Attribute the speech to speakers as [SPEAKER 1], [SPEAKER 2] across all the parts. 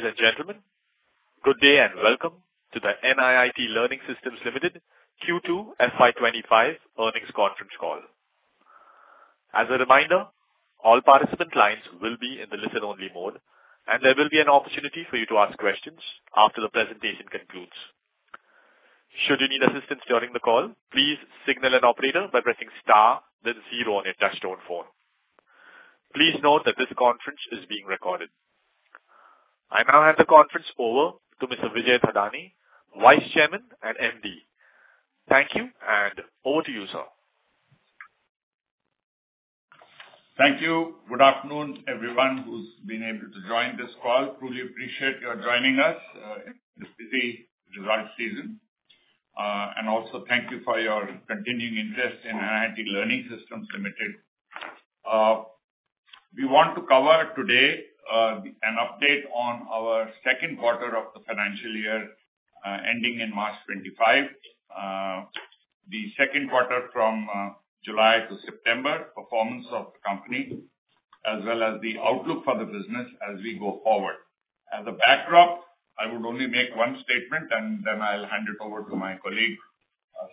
[SPEAKER 1] Ladies and gentlemen, good day and welcome to the NIIT Learning Systems Limited Q2 FY 2025 earnings conference call. As a reminder, all participant lines will be in the listen-only mode, and there will be an opportunity for you to ask questions after the presentation concludes. Should you need assistance during the call, please signal an operator by pressing star then zero on your touchtone phone. Please note that this conference is being recorded. I now hand the conference over to Mr. Vijay Thadani, Vice Chairman and MD. Thank you, and over to you, sir.
[SPEAKER 2] Thank you. Good afternoon, everyone who's been able to join this call. Truly appreciate your joining us in this busy result season, and also thank you for your continuing interest in NIIT Learning Systems Limited. We want to cover today an update on our second quarter of the financial year ending in March 2025. The second quarter from July to September, performance of the company, as well as the outlook for the business as we go forward. As a backdrop, I would only make one statement, and then I'll hand it over to my colleague,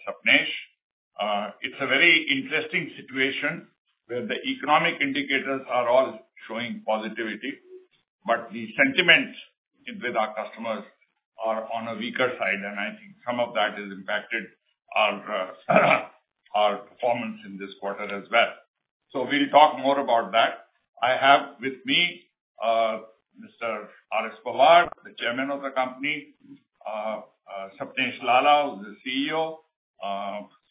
[SPEAKER 2] Sapnesh. It's a very interesting situation where the economic indicators are all showing positivity, but the sentiments with our customers are on a weaker side, and I think some of that has impacted our performance in this quarter as well. So we'll talk more about that. I have with me, Mr. RS Pawar, the Chairman of the company, Sapnesh Lalla, who's the CEO,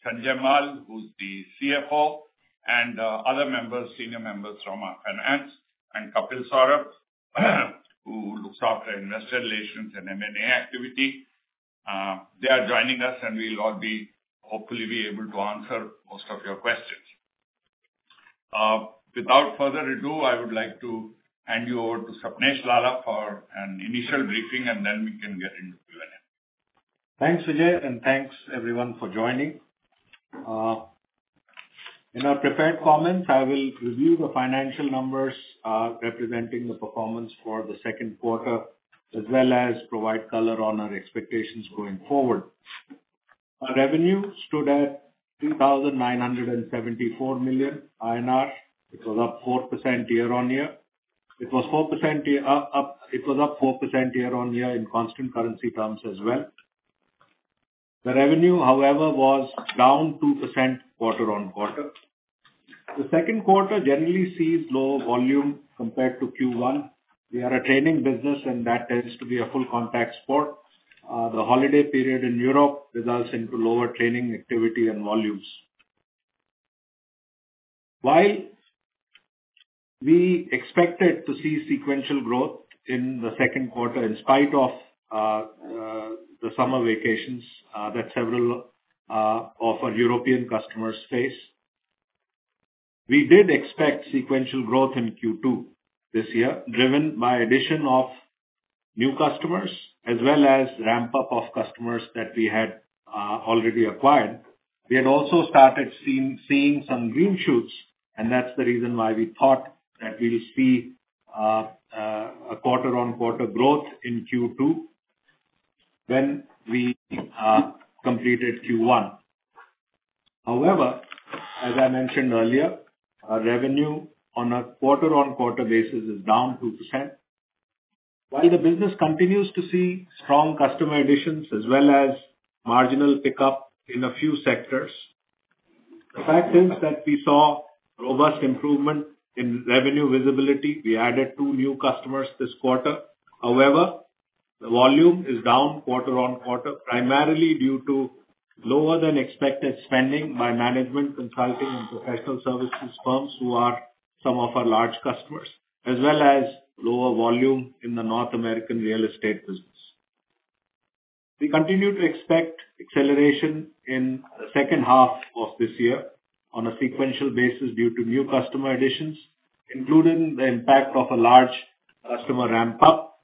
[SPEAKER 2] Sanjay Mal, who's the CFO, and other members, senior members from our finance, and Kapil Saurabh, who looks after investor relations and M&A activity. They are joining us, and we'll all be, hopefully, able to answer most of your questions. Without further ado, I would like to hand you over to Sapnesh Lalla for an initial briefing, and then we can get into Q&A.
[SPEAKER 3] Thanks, Vijay, and thanks, everyone, for joining. In our prepared comments, I will review the financial numbers, representing the performance for the second quarter, as well as provide color on our expectations going forward. Our revenue stood at 2,974 million. It was up 4% year-on-year. It was up 4% year-on-year in constant currency terms as well. The revenue, however, was down 2% quarter-on-quarter. The second quarter generally sees lower volume compared to Q1. We are a training business, and that tends to be a full contact sport. The holiday period in Europe results into lower training activity and volumes. While we expected to see sequential growth in the second quarter, in spite of the summer vacations that several of our European customers face, we did expect sequential growth in Q2 this year, driven by addition of new customers, as well as ramp-up of customers that we had already acquired. We had also started seeing some green shoots, and that's the reason why we thought that we will see a quarter-on-quarter growth in Q2 when we completed Q1. However, as I mentioned earlier, our revenue on a quarter-on-quarter basis is down 2%. While the business continues to see strong customer additions as well as marginal pickup in a few sectors, the fact is that we saw robust improvement in revenue visibility. We added two new customers this quarter. However, the volume is down quarter-on-quarter, primarily due to lower-than-expected spending by management consulting and professional services firms, who are some of our large customers, as well as lower volume in the North American real estate business. We continue to expect acceleration in the second half of this year on a sequential basis due to new customer additions, including the impact of a large customer ramp-up,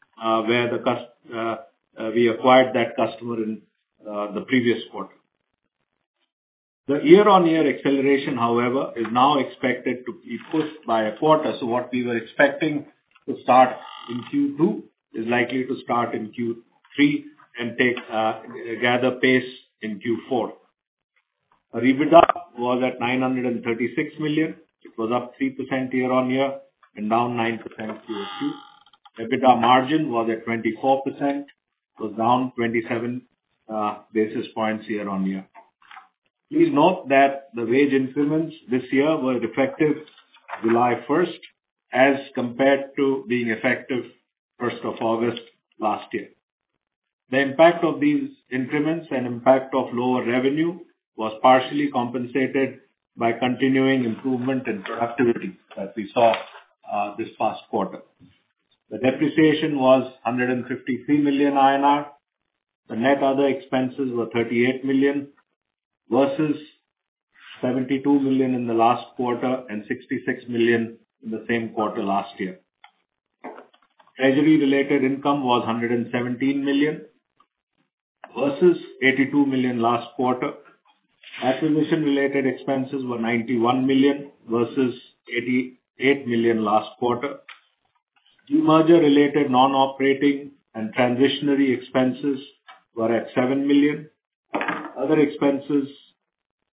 [SPEAKER 3] where we acquired that customer in the previous quarter. The year-on-year acceleration, however, is now expected to be pushed by a quarter. So what we were expecting to start in Q2 is likely to start in Q3 and gather pace in Q4. Our EBITDA was at 936 million. It was up 3% year-on-year and down 9% Q2. EBITDA margin was at 24%, it was down 27 basis points year-on-year. Please note that the wage increments this year were effective July first, as compared to being effective first of August last year. The impact of these increments and impact of lower revenue was partially compensated by continuing improvement in productivity, as we saw, this past quarter. The depreciation was 153 million INR. The net other expenses were 38 million, versus 72 million in the last quarter and 66 million in the same quarter last year. Treasury-related income was 117 million versus 82 million last quarter. Acquisition-related expenses were 91 million, versus 88 million last quarter. Demerger-related non-operating and transitory expenses were at 7 million. Other expenses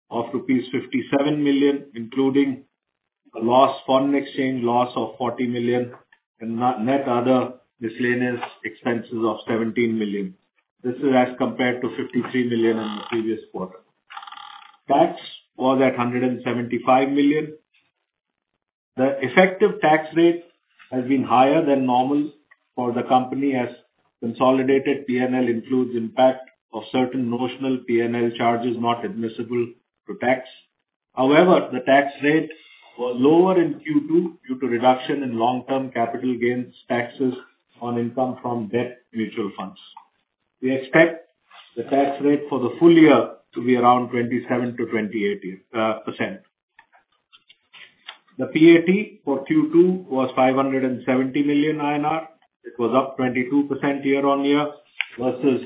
[SPEAKER 3] of rupees 57 million, including a foreign exchange loss of 40 million, and net other miscellaneous expenses of 17 million. This is as compared to 53 million in the previous quarter. Tax was at 175 million. The effective tax rate has been higher than normal for the company, as consolidated P&L includes impact of certain notional P&L charges not admissible to tax. However, the tax rate was lower in Q2, due to reduction in long-term capital gains taxes on income from debt mutual funds. We expect the tax rate for the full year to be around 27-28%. The PAT for Q2 was 570 million INR. It was up 22% year-on-year, versus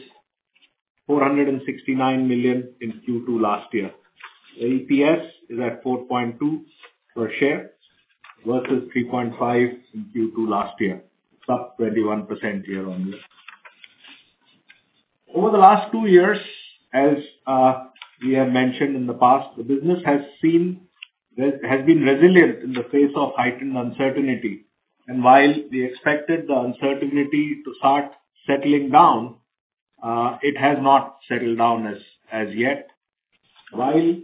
[SPEAKER 3] 469 million in Q2 last year. EPS is at 4.2 per share, versus 3.5 in Q2 last year, up 21% year-on-year. Over the last two years, as we have mentioned in the past, the business has been resilient in the face of heightened uncertainty. While we expected the uncertainty to start settling down, it has not settled down as yet. While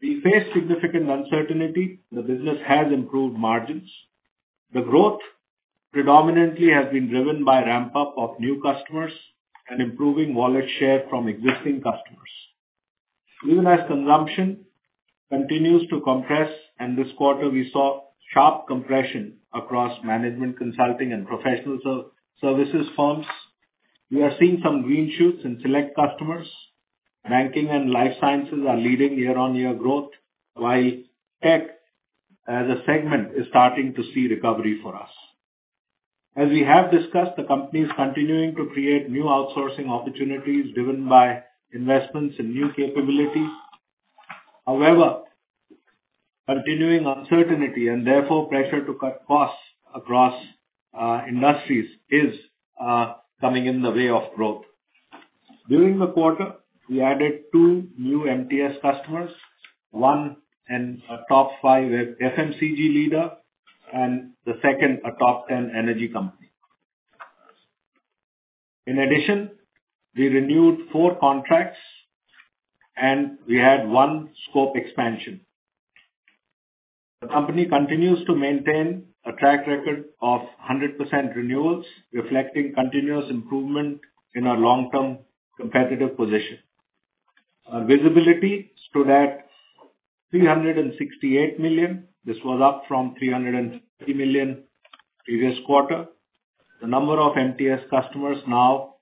[SPEAKER 3] we face significant uncertainty, the business has improved margins. The growth predominantly has been driven by ramp-up of new customers and improving wallet share from existing customers. Even as consumption continues to compress, and this quarter we saw sharp compression across management, consulting, and professional services firms, we are seeing some green shoots in select customers. Banking and life sciences are leading year-on-year growth, while tech, as a segment, is starting to see recovery for us. As we have discussed, the company is continuing to create new outsourcing opportunities driven by investments in new capabilities. However, continuing uncertainty and therefore pressure to cut costs across industries is coming in the way of growth. During the quarter, we added two new MTS customers, one and a top five FMCG leader, and the second, a top ten energy company. In addition, we renewed four contracts, and we had one scope expansion. The company continues to maintain a track record of 100% renewals, reflecting continuous improvement in our long-term competitive position. Our visibility stood at 368 million. This was up from 330 million previous quarter. The number of MTS customers now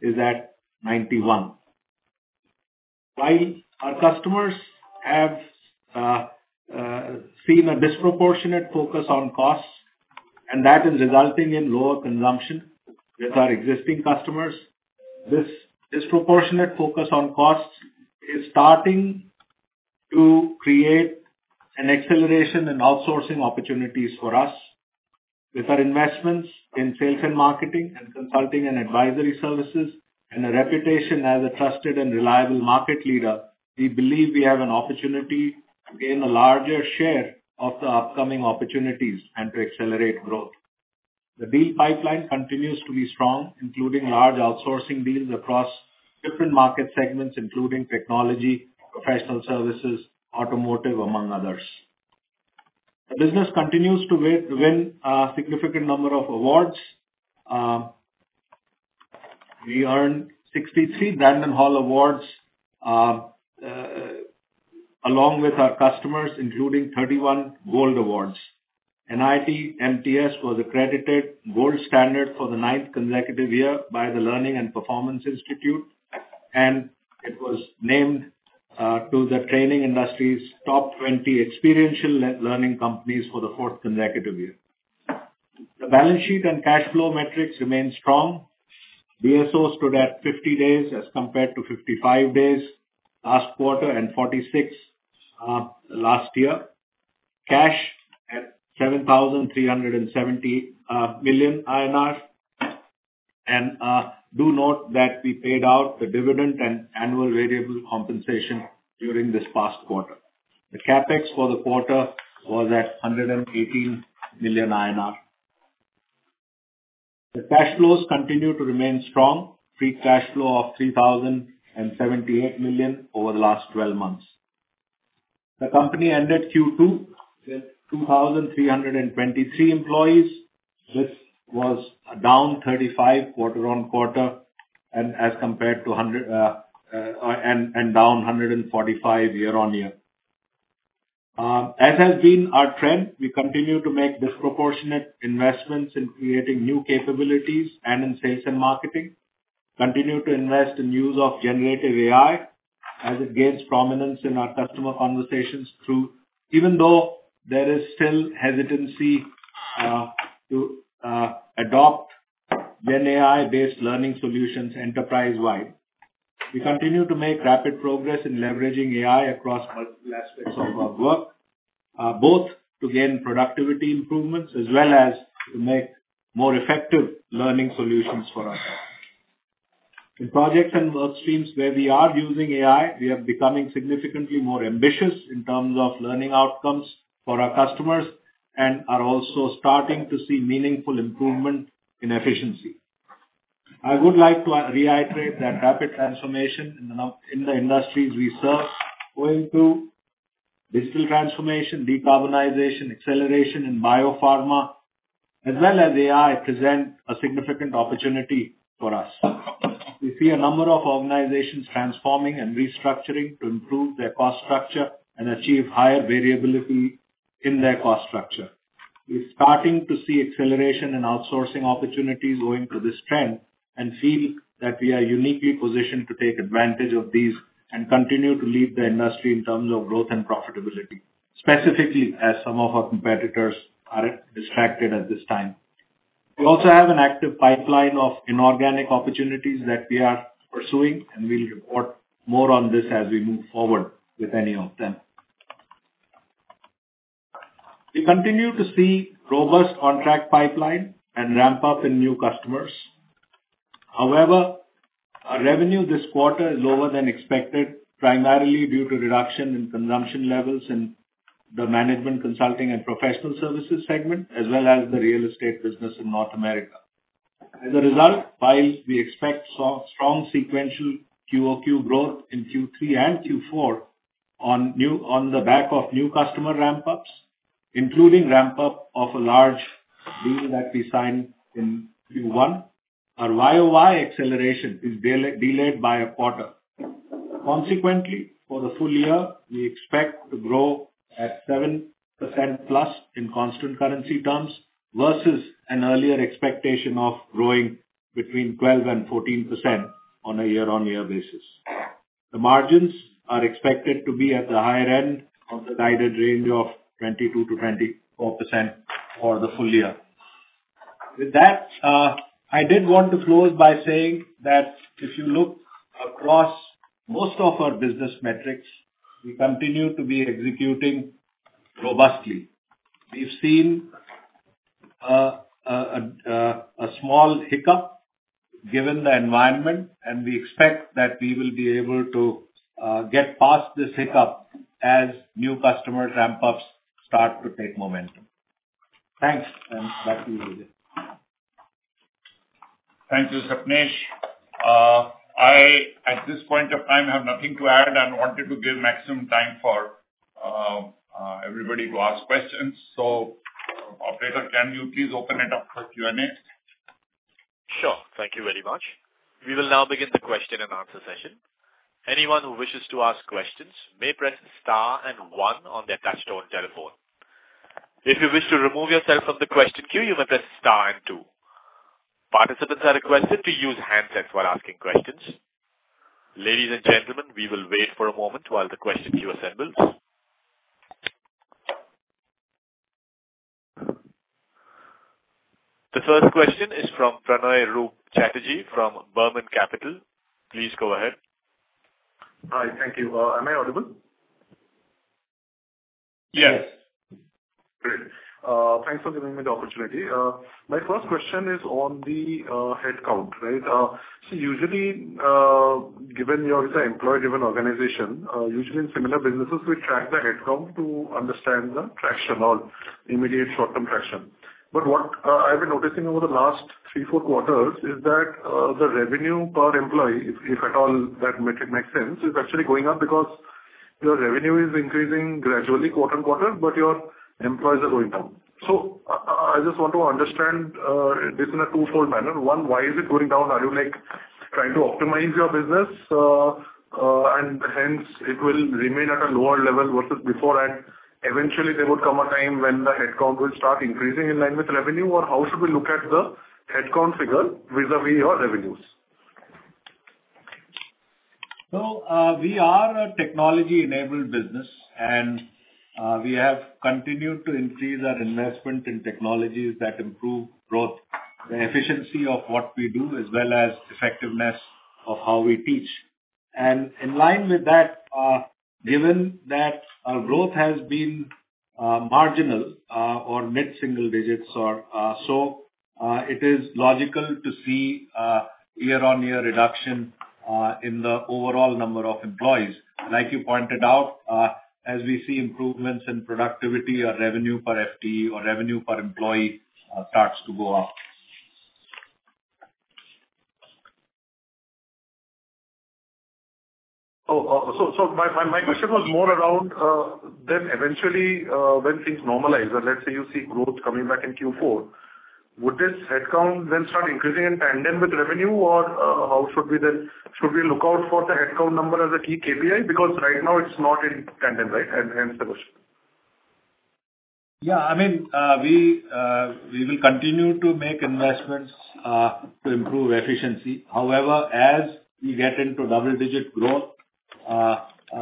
[SPEAKER 3] is at 91. While our customers have seen a disproportionate focus on costs, and that is resulting in lower consumption with our existing customers, this disproportionate focus on costs is starting to create an acceleration in outsourcing opportunities for us. With our investments in sales and marketing, and consulting and advisory services, and a reputation as a trusted and reliable market leader, we believe we have an opportunity to gain a larger share of the upcoming opportunities and to accelerate growth. The deal pipeline continues to be strong, including large outsourcing deals across different market segments, including technology, professional services, automotive, among others. The business continues to win a significant number of awards. We earned sixty-three Brandon Hall awards, along with our customers, including thirty-one gold awards. NIIT MTS was accredited gold standard for the ninth consecutive year by the Learning and Performance Institute, and it was named to the Training Industry's top 20 experiential learning companies for the fourth consecutive year. The balance sheet and cash flow metrics remain strong. DSO stood at 50 days, as compared to 55 days last quarter and 46 last year. Cash at 7,370 million INR. And do note that we paid out the dividend and annual variable compensation during this past quarter. The CapEx for the quarter was at 118 million INR. The cash flows continue to remain strong. Free cash flow of 3,078 million over the last twelve months. The company ended Q2 with 2,323 employees. This was down 35 quarter on quarter, and as compared to 100. And down 145 year-on-year. As has been our trend, we continue to make disproportionate investments in creating new capabilities and in sales and marketing, continue to invest in use of generative AI. As it gains prominence in our customer conversations through, even though there is still hesitancy to adopt GenAI-based learning solutions enterprise-wide. We continue to make rapid progress in leveraging AI across multiple aspects of our work, both to gain productivity improvements as well as to make more effective learning solutions for our customers. In projects and work streams where we are using AI, we are becoming significantly more ambitious in terms of learning outcomes for our customers, and are also starting to see meaningful improvement in efficiency. I would like to reiterate that rapid transformation in the industries we serve, owing to digital transformation, decarbonization, acceleration in biopharma, as well as AI, present a significant opportunity for us. We see a number of organizations transforming and restructuring to improve their cost structure and achieve higher variability in their cost structure. We're starting to see acceleration and outsourcing opportunities owing to this trend, and feel that we are uniquely positioned to take advantage of these, and continue to lead the industry in terms of growth and profitability, specifically as some of our competitors are distracted at this time. We also have an active pipeline of inorganic opportunities that we are pursuing, and we'll report more on this as we move forward with any of them. We continue to see robust contract pipeline and ramp-up in new customers. However, our revenue this quarter is lower than expected, primarily due to reduction in consumption levels in the management, consulting, and professional services segment, as well as the real estate business in North America. As a result, while we expect strong sequential QOQ growth in Q3 and Q4 on the back of new customer ramp-ups, including ramp-up of a large deal that we signed in Q1, our YOY acceleration is delayed by a quarter. Consequently, for the full year, we expect to grow at 7% plus in constant currency terms versus an earlier expectation of growing between 12% and 14% on a year-on-year basis. The margins are expected to be at the higher end of the guided range of 22%-24% for the full year. With that, I did want to close by saying that if you look across most of our business metrics, we continue to be executing robustly. We've seen a small hiccup given the environment, and we expect that we will be able to get past this hiccup as new customer ramp-ups start to take momentum. Thanks, and back to you, Vijay.
[SPEAKER 2] Thank you, Sapnesh. I, at this point of time, have nothing to add and wanted to give maximum time for everybody to ask questions. So, operator, can you please open it up for Q&A?
[SPEAKER 1] Sure. Thank you very much. We will now begin the question and answer session. Anyone who wishes to ask questions may press star and one on their touchtone telephone. If you wish to remove yourself from the question queue, you may press star and two. Participants are requested to use handsets while asking questions. Ladies and gentlemen, we will wait for a moment while the question queue assembles. The first question is from Pranay Roop Chatterjee from Burman Capital Management. Please go ahead.
[SPEAKER 4] Hi. Thank you. Am I audible?
[SPEAKER 2] Yes.
[SPEAKER 4] Great. Thanks for giving me the opportunity. My first question is on the headcount, right? Usually, given you are obviously an employee-driven organization, usually in similar businesses, we track the headcount to understand the traction or immediate short-term traction. But what I've been noticing over the last three, four quarters is that the revenue per employee, if at all that metric makes sense, is actually going up because your revenue is increasing gradually quarter on quarter, but your employees are going down. I just want to understand this in a twofold manner. One, why is it going down? Are you, like, trying to optimize your business, and hence it will remain at a lower level versus before, and eventually there would come a time when the headcount will start increasing in line with revenue? Or how should we look at the headcount figure vis-à-vis your revenues?
[SPEAKER 3] We are a technology-enabled business, and we have continued to increase our investment in technologies that improve growth, the efficiency of what we do, as well as effectiveness of how we teach. In line with that, given that our growth has been marginal or mid-single digits, it is logical to see year-on-year reduction in the overall number of employees. Like you pointed out, as we see improvements in productivity or revenue per FTE or revenue per employee, starts to go up.
[SPEAKER 4] So my question was more around, then eventually, when things normalize, or let's say you see growth coming back in Q4, would this headcount then start increasing in tandem with revenue? Or, how should we then? Should we look out for the headcount number as a key KPI? Because right now it's not in tandem, right? Hence the question.
[SPEAKER 3] Yeah, I mean, we will continue to make investments to improve efficiency. However, as we get into double-digit growth, we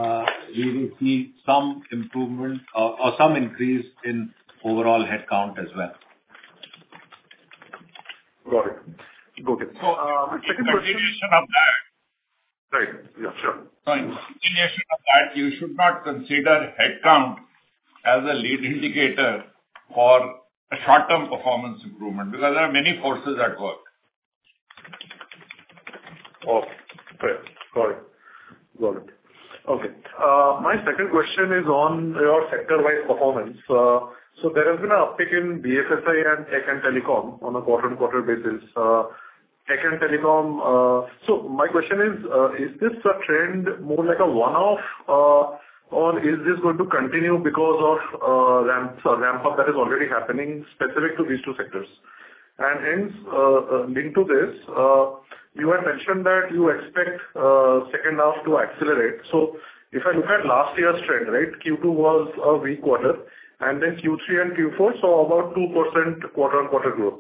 [SPEAKER 3] will see some improvement or some increase in overall headcount as well.
[SPEAKER 4] Got it. Got it. So, my second question-
[SPEAKER 3] In addition to that.
[SPEAKER 4] Right. Yeah, sure.
[SPEAKER 3] So in addition to that, you should not consider headcount as a lead indicator for a short-term performance improvement, because there are many forces at work.
[SPEAKER 4] Okay. Got it. Got it. Okay. My second question is on your sector-wide performance. So there has been an uptick in BFSI and tech and telecom on a quarter-on-quarter basis, tech and telecom. So my question is, is this a trend more like a one-off, or is this going to continue because of, ramp up that is already happening specific to these two sectors? And hence, linked to this, you had mentioned that you expect, second half to accelerate. So if I look at last year's trend, right, Q2 was a weak quarter, and then Q3 and Q4, so about 2% quarter-on-quarter growth.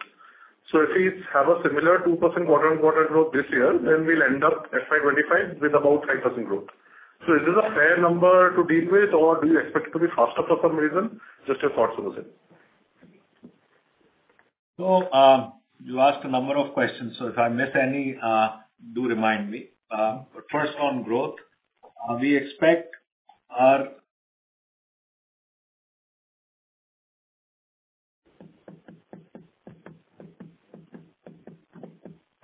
[SPEAKER 4] So if we have a similar 2% quarter-on-quarter growth this year, then we'll end up FY 2025 with about 5% growth. So is this a fair number to deal with, or do you expect it to be faster for some reason? Just your thoughts on this.
[SPEAKER 3] So, you asked a number of questions, so if I miss any, do remind me. But first on growth, we expect our...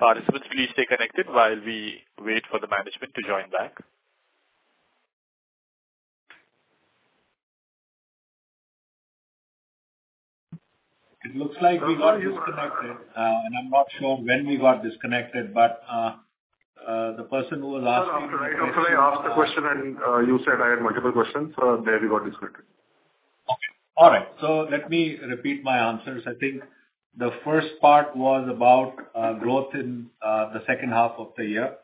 [SPEAKER 1] Participants, please stay connected while we wait for the management to join back.
[SPEAKER 3] It looks like we got disconnected, and I'm not sure when we got disconnected, but the person who was asking-
[SPEAKER 4] Sir, after I asked the question and, you said I had multiple questions, there we got disconnected.
[SPEAKER 3] Okay. All right. So let me repeat my answers. I think the first part was about growth in the second half of the year.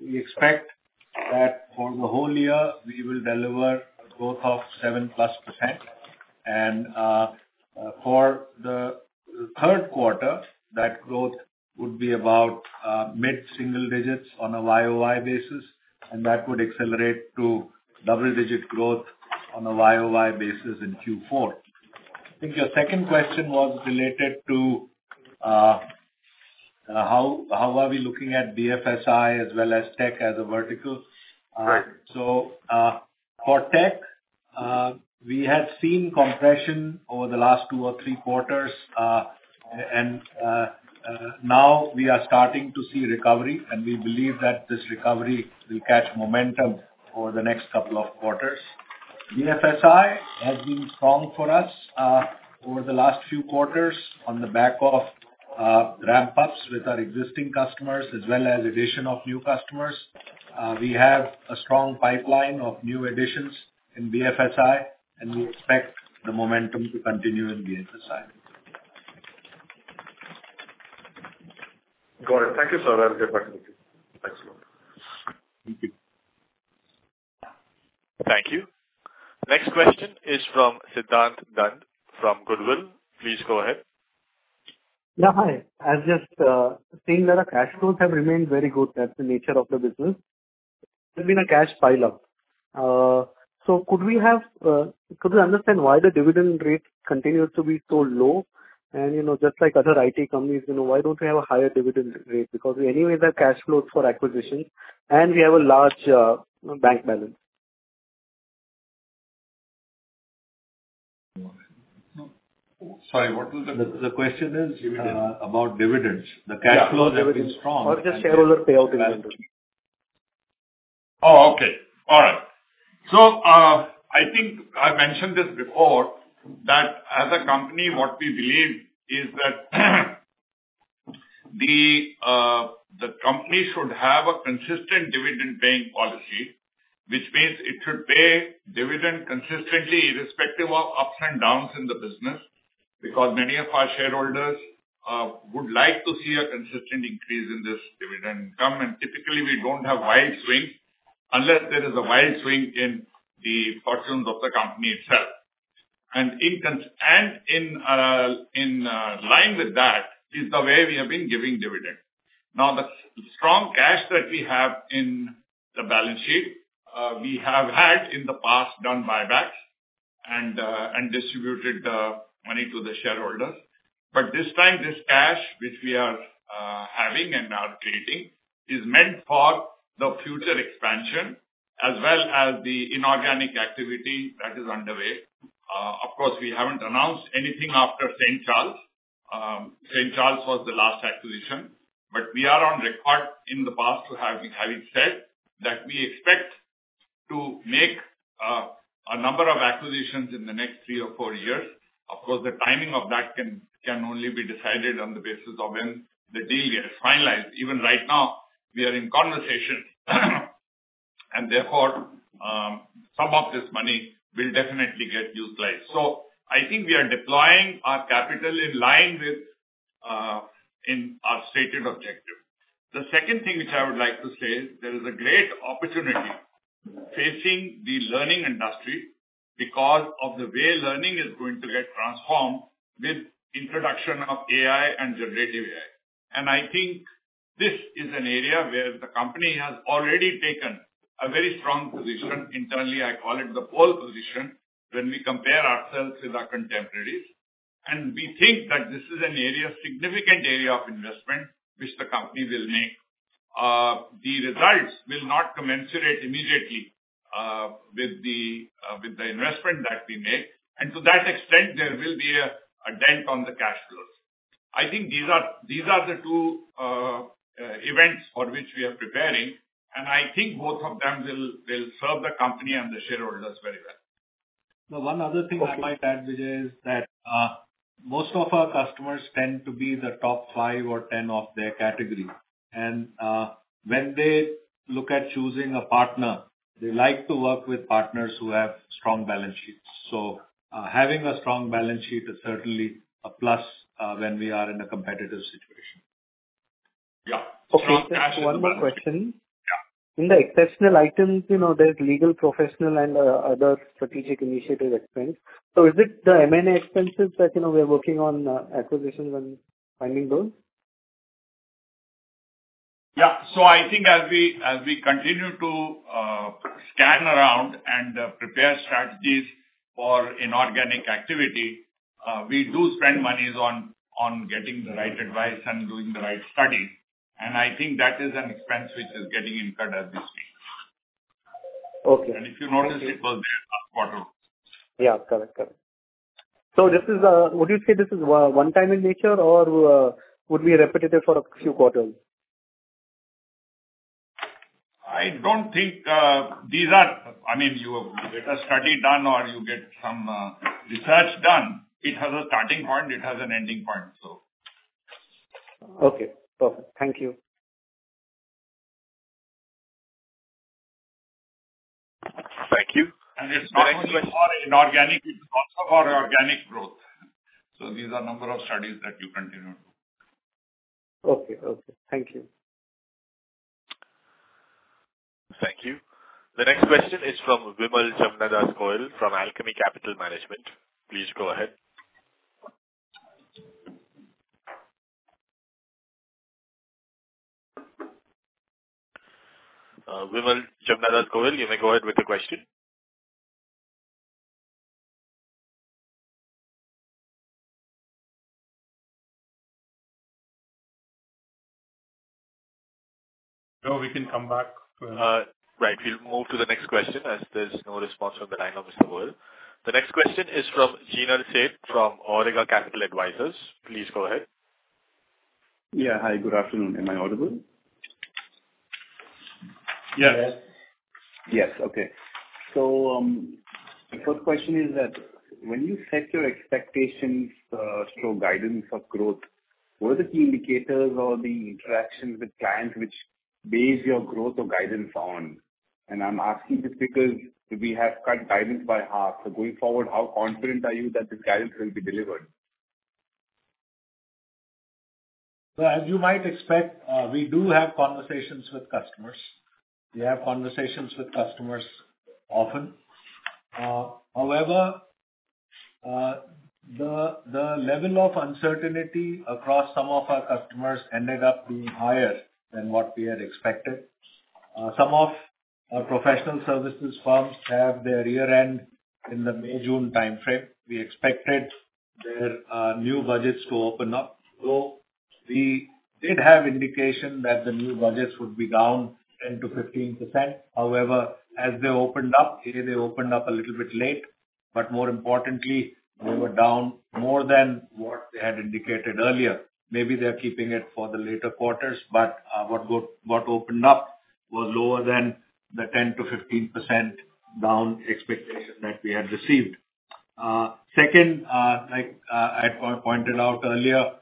[SPEAKER 3] We expect that for the whole year, we will deliver a growth of 7% plus. And for the third quarter, that growth would be about mid-single digits on a YOY basis, and that would accelerate to double-digit growth on a YOY basis in Q4. I think your second question was related to how are we looking at BFSI as well as tech as a vertical?
[SPEAKER 4] Right.
[SPEAKER 3] So, for tech, we had seen compression over the last two or three quarters, and now we are starting to see recovery, and we believe that this recovery will catch momentum over the next couple of quarters. BFSI has been strong for us, over the last few quarters on the back of ramp-ups with our existing customers as well as addition of new customers. We have a strong pipeline of new additions in BFSI, and we expect the momentum to continue in BFSI.
[SPEAKER 4] Got it. Thank you, sir. I appreciate it. Thanks a lot.
[SPEAKER 3] Thank you.
[SPEAKER 1] Thank you. Next question is from Siddhant Dand from Goodwill. Please go ahead.
[SPEAKER 5] Yeah, hi. I was just seeing that our cash flows have remained very good. That's the nature of the business. There's been a cash pile up. So could we understand why the dividend rate continues to be so low? And, you know, just like other IT companies, you know, why don't we have a higher dividend rate? Because we anyway have cash flows for acquisitions, and we have a large bank balance.
[SPEAKER 3] Sorry, what was the question is? Is it about dividends.
[SPEAKER 5] Yeah.
[SPEAKER 3] The cash flows have been strong.
[SPEAKER 5] Or just shareholder payout.
[SPEAKER 3] Oh, okay. All right. So, I think I mentioned this before, that as a company, what we believe is that the company should have a consistent dividend paying policy, which means it should pay dividend consistently, irrespective of ups and downs in the business, because many of our shareholders would like to see a consistent increase in this dividend income. And typically, we don't have wide swing unless there is a wide swing in the fortunes of the company itself. And in line with that is the way we have been giving dividend. Now, the strong cash that we have in the balance sheet, we have had in the past done buybacks and distributed money to the shareholders. But this time, this cash, which we are having and now creating, is meant for the future expansion as well as the inorganic activity that is underway. Of course, we haven't announced anything after St. Charles. St. Charles was the last acquisition, but we are on record in the past having said that we expect to make a number of acquisitions in the next three or four years. Of course, the timing of that can only be decided on the basis of when the deal gets finalized. Even right now, we are in conversation. And therefore, some of this money will definitely get utilized. So I think we are deploying our capital in line with our stated objective. The second thing which I would like to say, there is a great opportunity facing the learning industry because of the way learning is going to get transformed with introduction of AI and Generative AI. And I think this is an area where the company has already taken a very strong position. Internally, I call it the pole position, when we compare ourselves with our contemporaries. And we think that this is an area, significant area of investment which the company will make. The results will not commensurate immediately with the investment that we make, and to that extent there will be a dent on the cash flows. I think these are the two events for which we are preparing, and I think both of them will serve the company and the shareholders very well. No, one other thing I might add is that most of our customers tend to be the top five or 10 of their category, and when they look at choosing a partner, they like to work with partners who have strong balance sheets, so having a strong balance sheet is certainly a plus when we are in a competitive situation. Yeah.
[SPEAKER 5] Okay, one more question.
[SPEAKER 3] Yeah.
[SPEAKER 5] In the exceptional items, you know, there's legal, professional, and other strategic initiative expense. So is it the M&A expenses that, you know, we are working on acquisitions and finding those?
[SPEAKER 3] Yeah, so I think as we continue to scan around and prepare strategies for inorganic activity, we do spend moneys on getting the right advice and doing the right study, and I think that is an expense which is getting incurred as we speak.
[SPEAKER 5] Okay.
[SPEAKER 3] If you notice, it was there last quarter.
[SPEAKER 5] Yeah. Correct, correct. Would you say this is one time in nature, or would be repetitive for a few quarters?
[SPEAKER 2] I don't think these are. I mean, you get a study done, or you get some research done. It has a starting point. It has an ending point, so.
[SPEAKER 5] Okay, perfect. Thank you.
[SPEAKER 2] Thank you. And it's not only for inorganic, it's also for organic growth. So these are number of studies that you continue.
[SPEAKER 5] Okay. Okay. Thank you.
[SPEAKER 1] Thank you. The next question is from Vimal Gohil from Alchemy Capital Management. Please go ahead. Vimal Gohil, you may go ahead with your question. No, we can come back to, right, we'll move to the next question as there's no response on the line of Mr. Gohil. The next question is from Jinal Sheth, from Awriga Capital Advisors. Please go ahead.
[SPEAKER 6] Yeah. Hi, good afternoon. Am I audible?
[SPEAKER 3] Yes.
[SPEAKER 6] Yes. Okay. So, the first question is that, when you set your expectations, through guidance of growth, what are the key indicators or the interactions with clients which base your growth or guidance on? And I'm asking this because we have cut guidance by half. So going forward, how confident are you that this guidance will be delivered?
[SPEAKER 3] So as you might expect, we do have conversations with customers. We have conversations with customers often. However, the level of uncertainty across some of our customers ended up being higher than what we had expected. Some of our professional services firms have their year-end in the May-June timeframe. We expected their new budgets to open up, so we did have indication that the new budgets would be down 10% to 15%. However, as they opened up, they opened up a little bit late, but more importantly, they were down more than what they had indicated earlier. Maybe they're keeping it for the later quarters, but what opened up was lower than the 10% to 15% down expectation that we had received. Second, like, I pointed out earlier,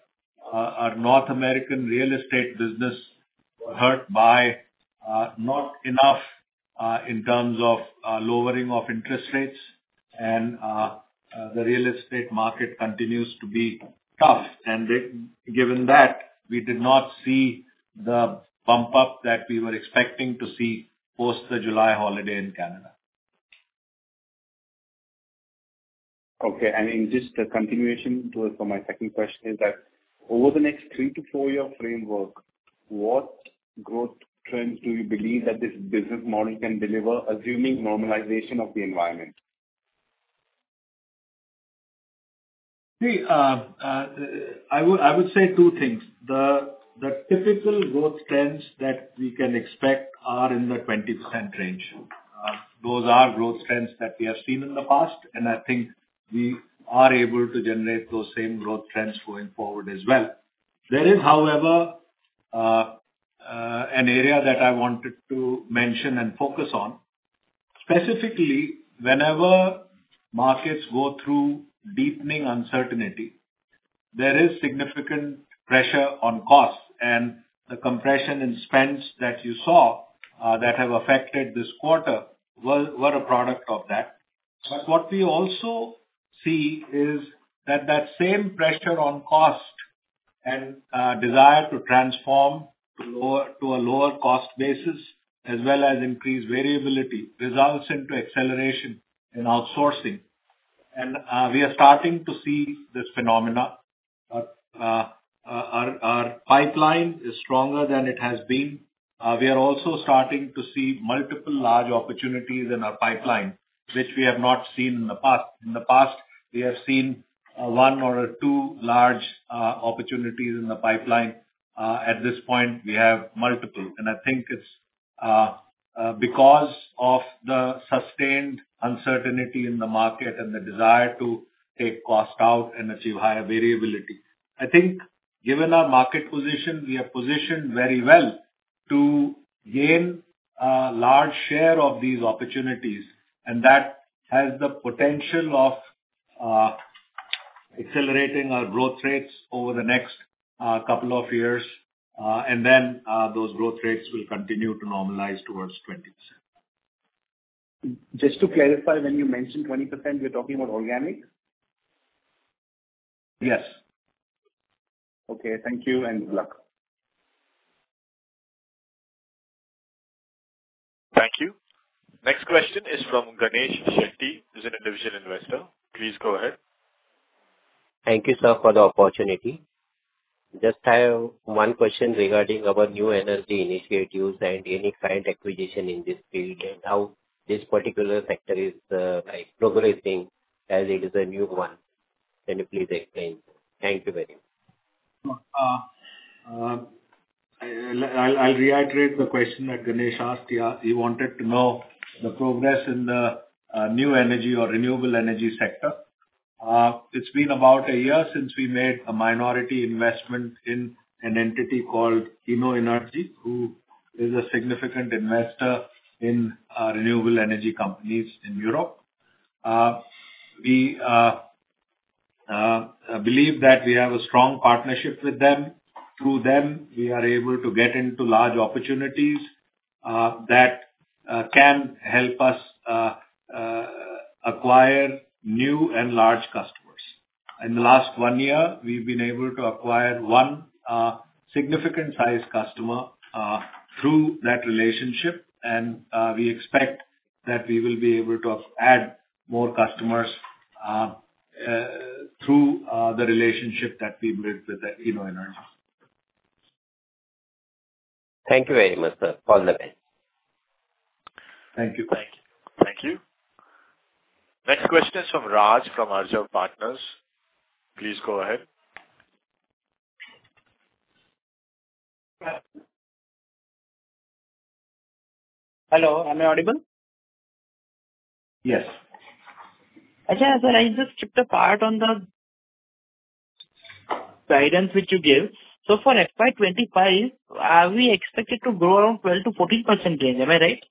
[SPEAKER 3] our North American real estate business were hurt by not enough in terms of lowering of interest rates and the real estate market continues to be tough. Given that, we did not see the bump up that we were expecting to see post the July holiday in Canada.
[SPEAKER 6] Okay. And just a continuation to, for my second question is that, over the next three- to four-year framework, what growth trends do you believe that this business model can deliver, assuming normalization of the environment?
[SPEAKER 3] See, I would say two things. The typical growth trends that we can expect are in the 20% range. Those are growth trends that we have seen in the past, and I think we are able to generate those same growth trends going forward as well. There is, however, an area that I wanted to mention and focus on. Specifically, whenever markets go through deepening uncertainty, there is significant pressure on costs, and the compression in spends that you saw, that have affected this quarter were a product of that.... But what we also see is that, that same pressure on cost and desire to transform to lower, to a lower cost basis, as well as increased variability, results into acceleration in outsourcing. And we are starting to see this phenomena. Our pipeline is stronger than it has been. We are also starting to see multiple large opportunities in our pipeline, which we have not seen in the past. In the past, we have seen one or two large opportunities in the pipeline. At this point, we have multiple, and I think it's because of the sustained uncertainty in the market and the desire to take cost out and achieve higher variability. I think given our market position, we are positioned very well to gain large share of these opportunities, and that has the potential of accelerating our growth rates over the next couple of years, and then those growth rates will continue to normalize towards twenties.
[SPEAKER 6] Just to clarify, when you mentioned 20%, we're talking about organic?
[SPEAKER 3] Yes.
[SPEAKER 6] Okay. Thank you and good luck.
[SPEAKER 1] Thank you. Next question is from Ganesh Shetty, who's an individual investor. Please go ahead.
[SPEAKER 7] Thank you, sir, for the opportunity. Just I have one question regarding our new energy initiatives and any current acquisition in this field, and how this particular sector is, like, progressing, as it is a new one. Can you please explain? Thank you very much.
[SPEAKER 3] I'll reiterate the question that Ganesh asked here. He wanted to know the progress in the new energy or renewable energy sector. It's been about a year since we made a minority investment in an entity called InnoEnergy, who is a significant investor in renewable energy companies in Europe. We believe that we have a strong partnership with them. Through them, we are able to get into large opportunities that can help us acquire new and large customers. In the last one year, we've been able to acquire one significant sized customer through that relationship, and we expect that we will be able to add more customers through the relationship that we built with the InnoEnergy.
[SPEAKER 7] Thank you very much, sir. All the best.
[SPEAKER 3] Thank you.
[SPEAKER 8] Thank you.
[SPEAKER 1] Thank you. Next question is from Raj, from Arjav Partners. Please go ahead.
[SPEAKER 9] Hello, am I audible?
[SPEAKER 3] Yes.
[SPEAKER 9] Okay. So I just skipped a part on the guidance which you gave. So for FY 2025, are we expected to grow around 12%-14% range? Am I right?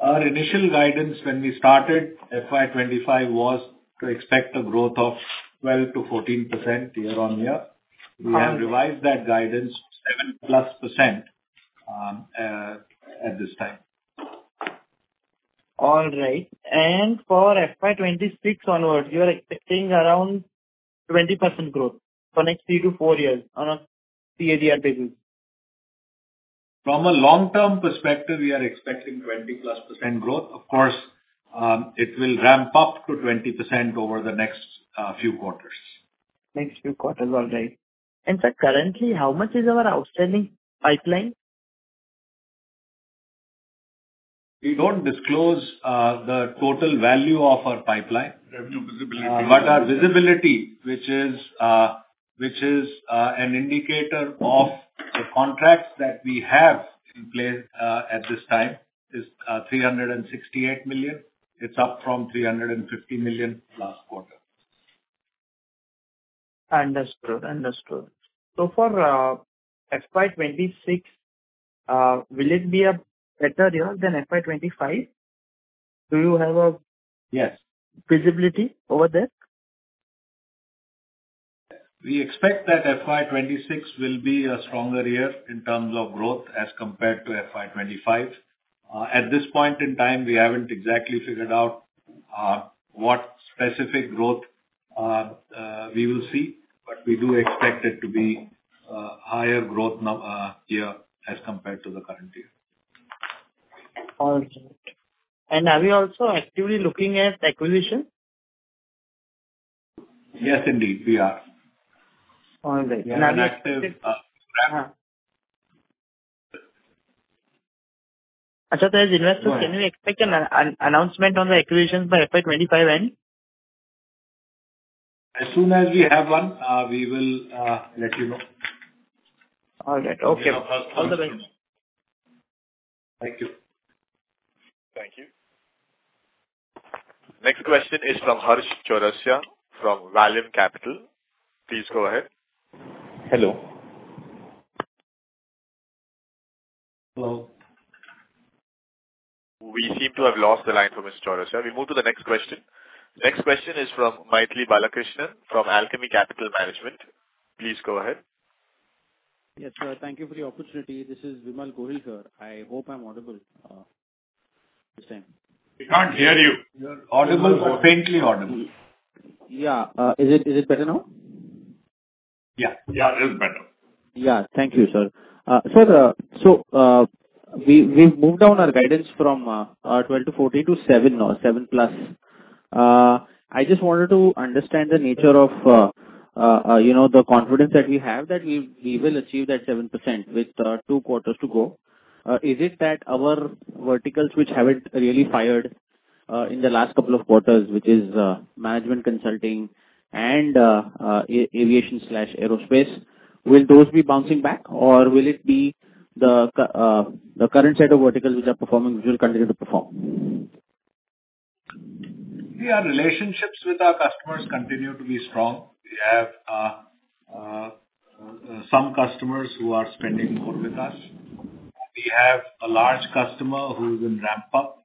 [SPEAKER 3] Our initial guidance when we started FY 2025 was to expect a growth of 12%-14% year-on-year.
[SPEAKER 9] Um-
[SPEAKER 3] We have revised that guidance to 7%+ at this time.
[SPEAKER 9] All right. And for FY 2026 onwards, you are expecting around 20% growth for next three to four years on a CAGR basis?
[SPEAKER 3] From a long-term perspective, we are expecting 20+% growth. Of course, it will ramp up to 20% over the next few quarters.
[SPEAKER 9] Next few quarters. All right. And sir, currently, how much is our outstanding pipeline?
[SPEAKER 3] We don't disclose the total value of our pipeline.
[SPEAKER 2] Revenue visibility.
[SPEAKER 3] But our visibility, which is an indicator of the contracts that we have in place, at this time, is 368 million. It's up from 350 million last quarter.
[SPEAKER 9] Understood. Understood. For FY 2026, will it be a better year than FY 2025? Do you have a-
[SPEAKER 3] Yes.
[SPEAKER 9] Visibility over there?
[SPEAKER 3] We expect that FY 2026 will be a stronger year in terms of growth as compared to FY 2025. At this point in time, we haven't exactly figured out what specific growth we will see, but we do expect it to be higher growth year, as compared to the current year.
[SPEAKER 9] All right. And are we also actively looking at acquisition?
[SPEAKER 3] Yes, indeed, we are.
[SPEAKER 9] All right.
[SPEAKER 3] We are active.
[SPEAKER 9] As investors, can we expect an announcement on the acquisitions by FY 2025 end?
[SPEAKER 3] As soon as we have one, we will let you know.
[SPEAKER 9] All right. Okay.
[SPEAKER 3] You're our first...
[SPEAKER 9] All the best.
[SPEAKER 3] Thank you.
[SPEAKER 1] Thank you. Next question is from Harsh Chourasia, from Vallum Capital. Please go ahead.
[SPEAKER 7] Hello?
[SPEAKER 3] Hello.
[SPEAKER 1] We seem to have lost the line from Harsh Chourasia. We move to the next question. Next question is from Mythili Balakrishnan, from Alchemy Capital Management. Please go ahead.
[SPEAKER 8] Yes, sir, thank you for the opportunity. This is Vimal Gohil, sir. I hope I'm audible, this time.
[SPEAKER 3] We can't hear you. You're audible, but faintly audible.
[SPEAKER 8] Yeah. Is it better now?
[SPEAKER 3] Yeah, yeah, it is better.
[SPEAKER 8] Yeah. Thank you, sir. Sir, so, we, we've moved down our guidance from, 12 to 14 to 7% now, 7% plus. I just wanted to understand the nature of, you know, the confidence that we have that we, we will achieve that 7% with, two quarters to go. Is it that our verticals which haven't really fired, in the last couple of quarters, which is, management consulting and, aviation slash aerospace, will those be bouncing back? Or will it be the current set of verticals which are performing, which will continue to perform?
[SPEAKER 3] Yeah, our relationships with our customers continue to be strong. We have some customers who are spending more with us. We have a large customer who will ramp up,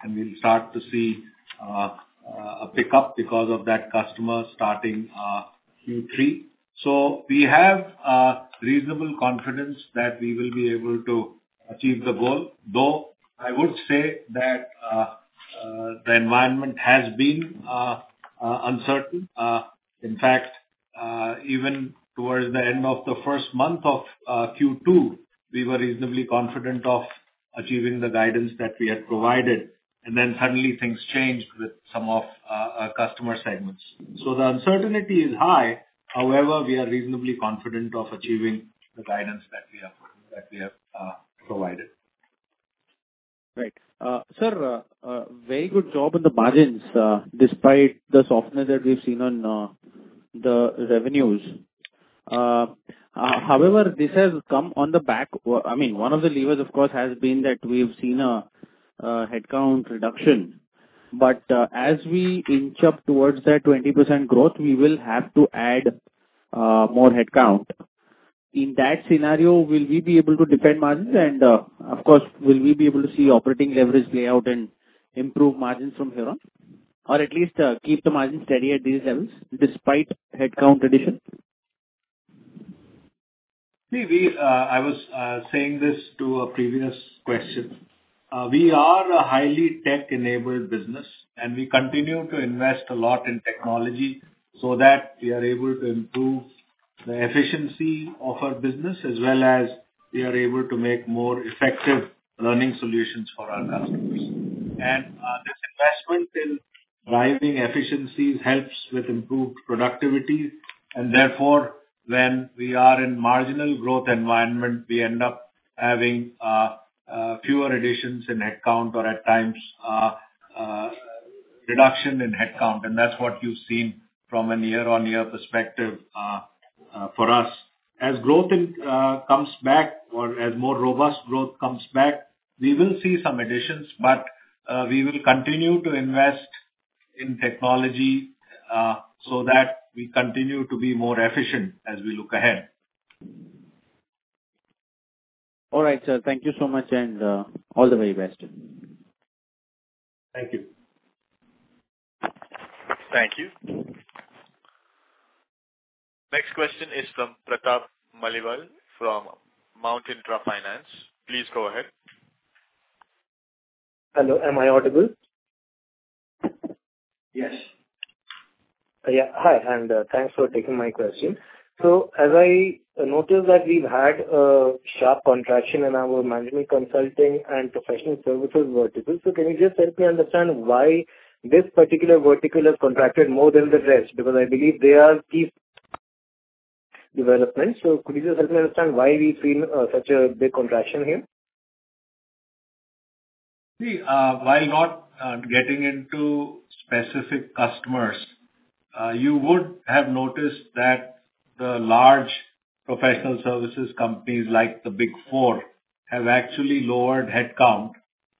[SPEAKER 3] and we'll start to see a pickup because of that customer starting Q3. So we have reasonable confidence that we will be able to achieve the goal. Though I would say that the environment has been uncertain. In fact, even towards the end of the first month of Q2, we were reasonably confident of achieving the guidance that we had provided, and then suddenly things changed with some of customer segments. So the uncertainty is high. However, we are reasonably confident of achieving the guidance that we have provided.
[SPEAKER 8] Right. Sir, very good job on the margins, despite the softness that we've seen on the revenues. However, this has come on the back. I mean, one of the levers, of course, has been that we've seen a headcount reduction, but as we inch up towards that 20% growth, we will have to add more headcount. In that scenario, will we be able to defend margins? And, of course, will we be able to see operating leverage play out and improve margins from here on? Or at least, keep the margins steady at these levels, despite headcount addition?
[SPEAKER 3] See, I was saying this to a previous question. We are a highly tech-enabled business, and we continue to invest a lot in technology so that we are able to improve the efficiency of our business, as well as we are able to make more effective learning solutions for our customers. And this investment in driving efficiencies helps with improved productivity, and therefore, when we are in marginal growth environment, we end up having fewer additions in headcount or at times reduction in headcount. And that's what you've seen from a year-on-year perspective for us. As growth comes back or as more robust growth comes back, we will see some additions, but we will continue to invest in technology so that we continue to be more efficient as we look ahead.
[SPEAKER 8] All right, sir, thank you so much, and all the very best.
[SPEAKER 3] Thank you.
[SPEAKER 1] Thank you. Next question is from Pratap Maliwal, from Mount Intra Finance. Please go ahead.
[SPEAKER 10] Hello, am I audible?
[SPEAKER 3] Yes.
[SPEAKER 10] Yeah. Hi, and thanks for taking my question. So as I notice that we've had a sharp contraction in our management consulting and professional services verticals, so can you just help me understand why this particular vertical has contracted more than the rest? Because I believe they are key development. So could you just help me understand why we've seen such a big contraction here?
[SPEAKER 3] See, while not getting into specific customers, you would have noticed that the large professional services companies, like the Big Four, have actually lowered headcount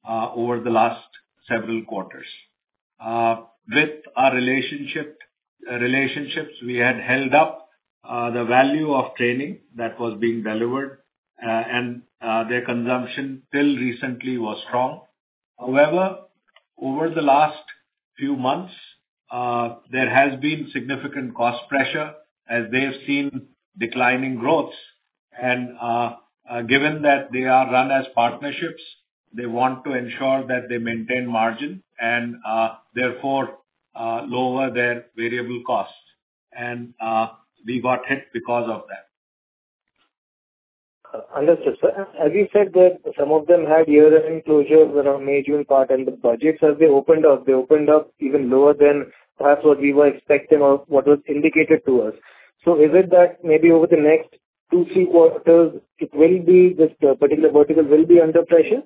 [SPEAKER 3] over the last several quarters. With our relationship, relationships, we had held up the value of training that was being delivered, and their consumption till recently was strong. However, over the last few months, there has been significant cost pressure as they have seen declining growth. And, given that they are run as partnerships, they want to ensure that they maintain margin and, therefore, lower their variable costs. And, we got hit because of that.
[SPEAKER 10] Understood, sir. As you said that some of them had year-end closures around May, June quarter, and the budgets as they opened up, they opened up even lower than perhaps what we were expecting or what was indicated to us. So is it that maybe over the next two, three quarters, it will be, this particular vertical will be under pressure?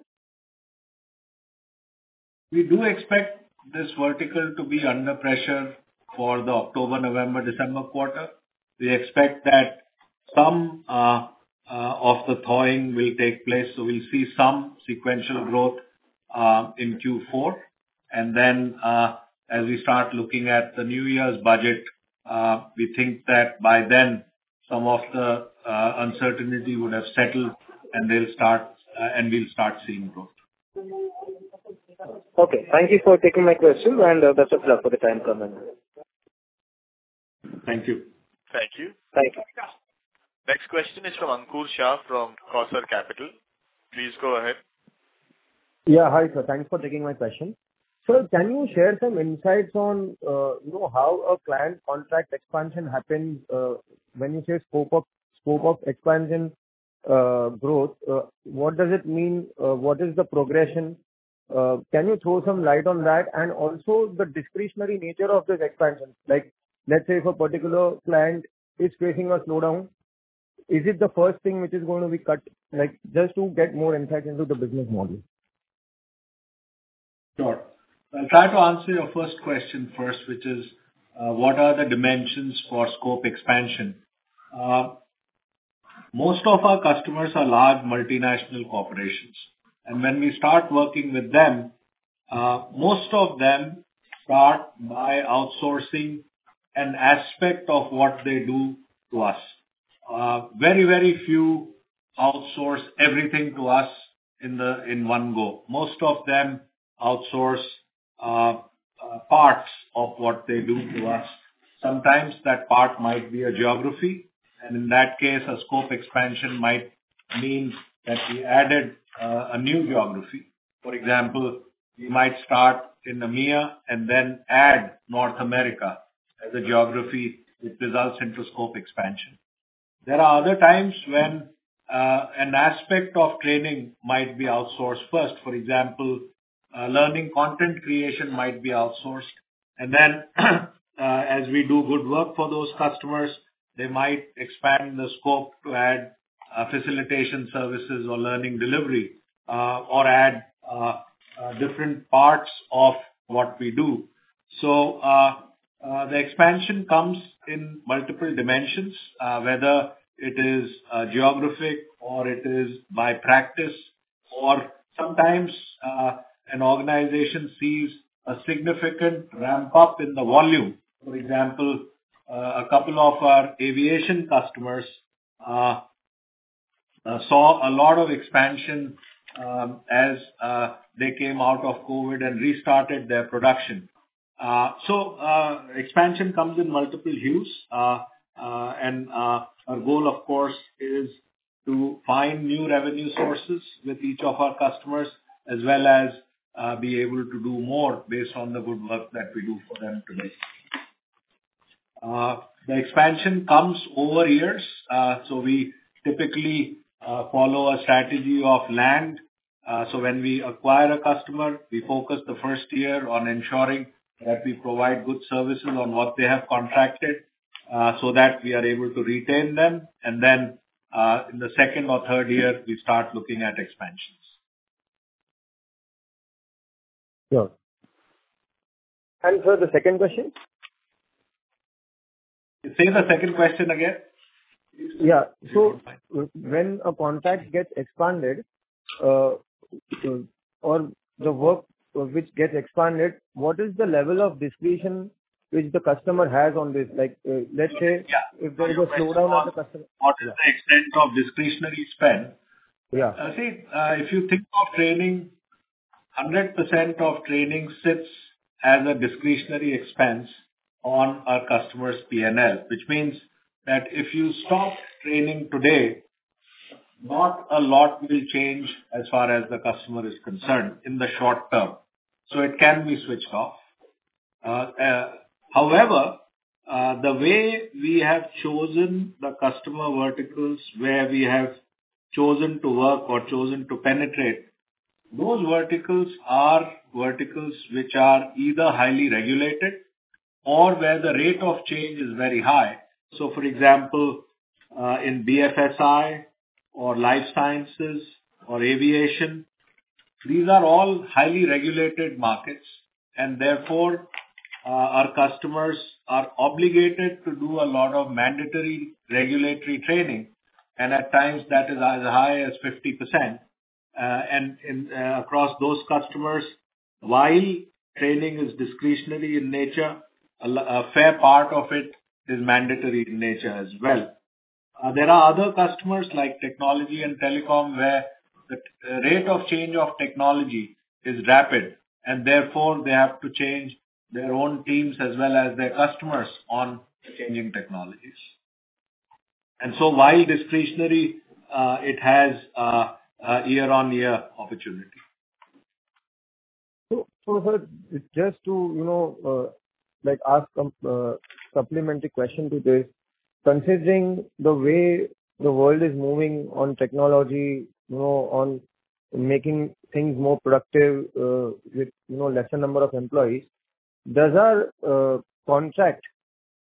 [SPEAKER 3] We do expect this vertical to be under pressure for the October, November, December quarter. We expect that some of the thawing will take place, so we'll see some sequential growth in Q4, and then, as we start looking at the new year's budget, we think that by then some of the uncertainty would have settled, and they'll start... and we'll start seeing growth.
[SPEAKER 10] Okay, thank you for taking my question, and best of luck for the time coming.
[SPEAKER 3] Thank you.
[SPEAKER 1] Thank you.
[SPEAKER 10] Thank you.
[SPEAKER 1] Next question is from Ankur Shah, from Quasar Capital. Please go ahead.
[SPEAKER 11] Yeah. Hi, sir. Thanks for taking my question. Sir, can you share some insights on, you know, how a client contract expansion happens, when you say scope of expansion, growth, what does it mean? What is the progression? Can you throw some light on that? And also the discretionary nature of this expansion. Like, let's say if a particular client is facing a slowdown, is it the first thing which is going to be cut? Like, just to get more insight into the business model.
[SPEAKER 3] Sure. I'll try to answer your first question first, which is, what are the dimensions for scope expansion? Most of our customers are large multinational corporations, and when we start working with them, most of them start by outsourcing an aspect of what they do to us. Very, very few outsource everything to us in one go. Most of them outsource parts of what they do to us. Sometimes that part might be a geography, and in that case, a scope expansion might mean that we added a new geography. For example, we might start in EMEA and then add North America as a geography, which results into scope expansion. There are other times when an aspect of training might be outsourced first. For example, learning content creation might be outsourced. As we do good work for those customers, they might expand the scope to add facilitation services or learning delivery, or add different parts of what we do. So, the expansion comes in multiple dimensions, whether it is geographic or it is by practice, or sometimes an organization sees a significant ramp-up in the volume. For example, a couple of our aviation customers saw a lot of expansion as they came out of COVID and restarted their production. So, expansion comes in multiple hues, and our goal, of course, is to find new revenue sources with each of our customers, as well as be able to do more based on the good work that we do for them today. The expansion comes over years. So we typically follow a strategy of land. So when we acquire a customer, we focus the first year on ensuring that we provide good services on what they have contracted, so that we are able to retain them, and then, in the second or third year, we start looking at expansions.
[SPEAKER 11] Sure. And sir, the second question?
[SPEAKER 3] Say the second question again.
[SPEAKER 11] Yeah. So when a contract gets expanded, or the work which gets expanded, what is the level of discretion which the customer has on this? Like, let's say-
[SPEAKER 3] Yeah.
[SPEAKER 11] If there is a slowdown on the customer.
[SPEAKER 3] What is the extent of discretionary spend? Yeah. See, if you think of training, 100% of training sits as a discretionary expense on our customer's P&L. Which means that if you stop training today, not a lot will change as far as the customer is concerned in the short term, so it can be switched off. However, the way we have chosen the customer verticals, where we have chosen to work or chosen to penetrate, those verticals are verticals which are either highly regulated or where the rate of change is very high. So for example, in BFSI or life sciences or aviation, these are all highly regulated markets, and therefore, our customers are obligated to do a lot of mandatory regulatory training, and at times, that is as high as 50%. Across those customers, while training is discretionary in nature, a fair part of it is mandatory in nature as well. There are other customers, like technology and telecom, where the rate of change of technology is rapid, and therefore, they have to change their own teams as well as their customers on the changing technologies. And so while discretionary, it has a year-on-year opportunity.
[SPEAKER 11] So, sir, just to, you know, like, ask supplementary question to this. Considering the way the world is moving on technology, you know, on making things more productive, with, you know, lesser number of employees, does our contract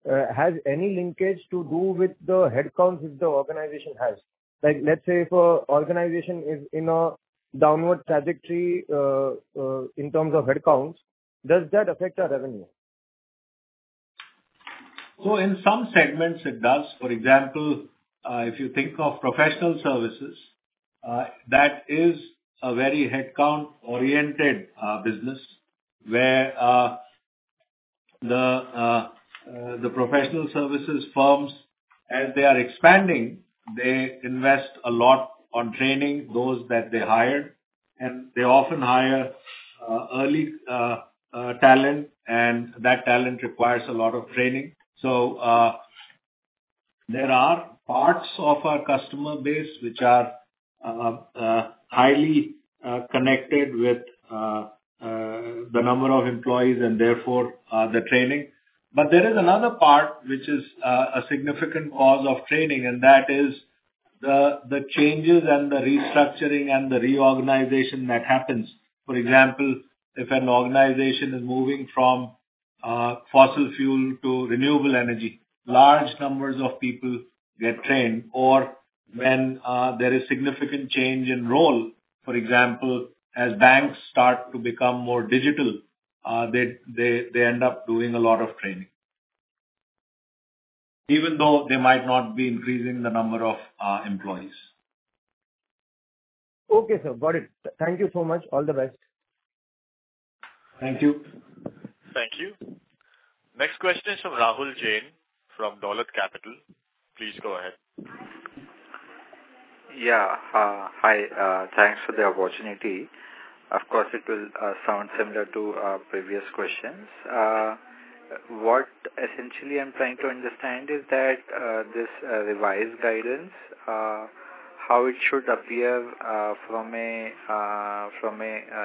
[SPEAKER 11] have any linkage to do with the headcount which the organization has? Like, let's say if a organization is in a downward trajectory, in terms of headcounts, does that affect our revenue?
[SPEAKER 3] In some segments, it does. For example, if you think of professional services, that is a very headcount-oriented business, where the professional services firms, as they are expanding, they invest a lot on training those that they hire, and they often hire early talent, and that talent requires a lot of training. There are parts of our customer base which are highly connected with the number of employees and therefore the training. But there is another part which is a significant cause of training, and that is the changes and the restructuring and the reorganization that happens. For example, if an organization is moving from fossil fuel to renewable energy, large numbers of people get trained, or when there is significant change in role, for example, as banks start to become more digital, they end up doing a lot of training. Even though they might not be increasing the number of employees.
[SPEAKER 11] Okay, sir. Got it. Thank you so much. All the best.
[SPEAKER 3] Thank you.
[SPEAKER 1] Thank you. Next question is from Rahul Jain, from Dolat Capital. Please go ahead.
[SPEAKER 12] Yeah. Hi. Thanks for the opportunity. Of course, it will sound similar to previous questions. What essentially I'm trying to understand is that this revised guidance, how it should appear from a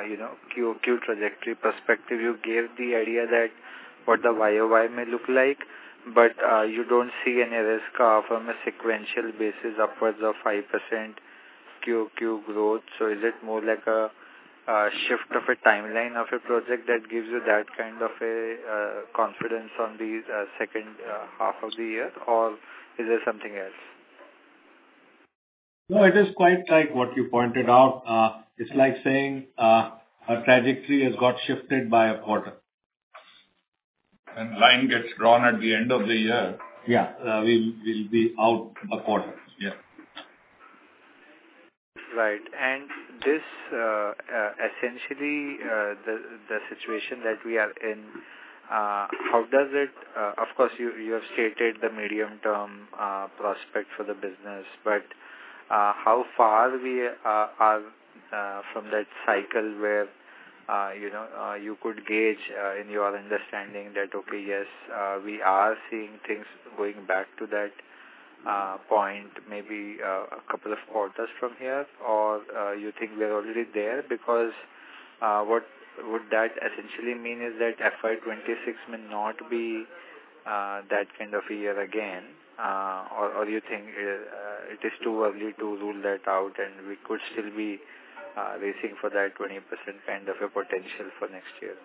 [SPEAKER 12] you know QOQ trajectory perspective. You gave the idea that what the YOY may look like, but you don't see any risk from a sequential basis, upwards of high percent QOQ growth. So is it more like a shift of a timeline of a project that gives you that kind of a confidence on the second half of the year, or is there something else?
[SPEAKER 3] No, it is quite like what you pointed out. It's like saying a trajectory has got shifted by a quarter.
[SPEAKER 2] When line gets drawn at the end of the year-
[SPEAKER 3] Yeah
[SPEAKER 2] We'll be out a quarter. Yeah.
[SPEAKER 12] Right. And this essentially the situation that we are in, how does it? Of course, you have stated the medium-term prospect for the business, but how far we are from that cycle where you know you could gauge in your understanding that, okay, yes, we are seeing things going back to that point, maybe a couple of quarters from here, or you think we're already there? Because what would that essentially mean is that FY 2026 may not be that kind of a year again, or you think it is too early to rule that out and we could still be racing for that 20% kind of a potential for next year?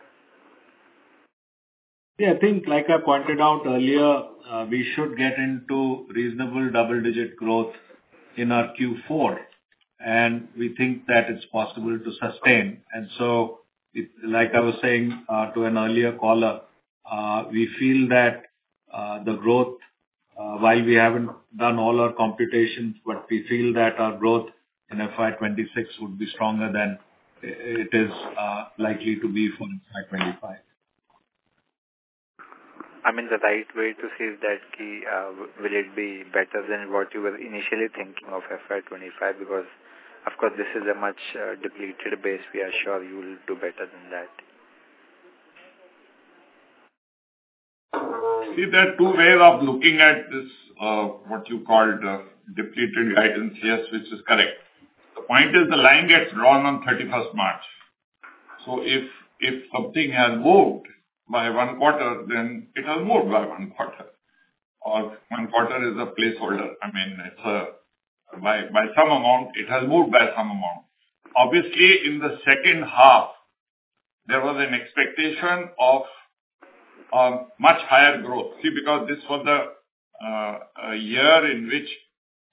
[SPEAKER 3] Yeah, I think like I pointed out earlier, we should get into reasonable double-digit growth in our Q4, and we think that it's possible to sustain, and so like I was saying, to an earlier caller, we feel that the growth, while we haven't done all our computations, but we feel that our growth in FY 2026 would be stronger than it is likely to be from FY 2025.
[SPEAKER 12] I mean, the right way to say that, will it be better than what you were initially thinking of FY 2025? Because, of course, this is a much, depleted base. We are sure you will do better than that.
[SPEAKER 2] See, there are two ways of looking at this, what you called, depleted guidance. Yes, which is correct. The point is, the line gets drawn on 31st March. So if something has moved by one quarter, then it has moved by one quarter, or one quarter is a placeholder. I mean, it's by some amount, it has moved by some amount. Obviously, in the second half, there was an expectation of much higher growth. See, because this was the year in which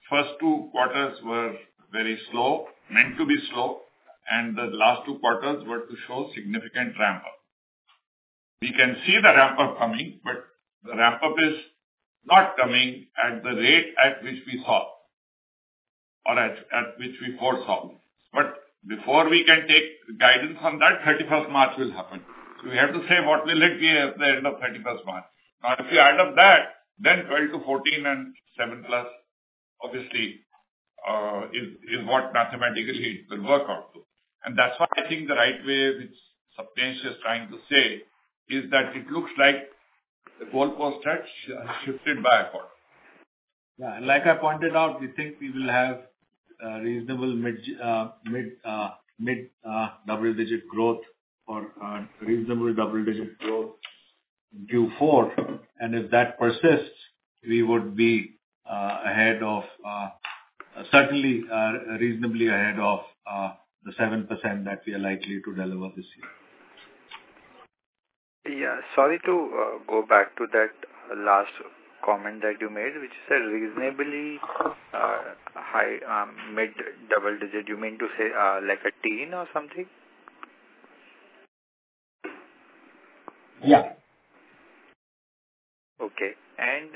[SPEAKER 2] first two quarters were very slow, meant to be slow, and the last two quarters were to show significant ramp up. We can see the ramp up coming, but the ramp up is not coming at the rate at which we thought or at which we foresaw. But before we can take guidance on that, 31st March will happen. So we have to say what will it be at the end of 31st March? Now, if we add up that, then 12-14 and 7 plus, obviously, is what mathematically it will work out to. And that's why I think the right way, which Sapnesh is trying to say, is that it looks like the goalpost has shifted by a quarter.
[SPEAKER 3] Yeah. Like I pointed out, we think we will have reasonable mid-double digit growth or reasonable double digit growth in Q4. And if that persists, we would be ahead of certainly reasonably ahead of the 7% that we are likely to deliver this year.
[SPEAKER 12] Yeah. Sorry to go back to that last comment that you made, which is a reasonably high mid-double digit. You mean to say, like a teen or something?
[SPEAKER 3] Yeah.
[SPEAKER 12] Okay, and